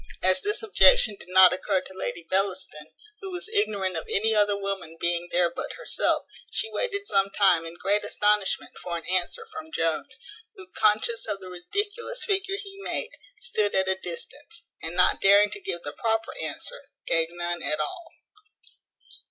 As this objection did not occur to Lady Bellaston, who was ignorant of any other woman being there but herself, she waited some time in great astonishment for an answer from Jones, who, conscious of the ridiculous figure he made, stood at a distance, and, not daring to give the proper answer, gave none at all.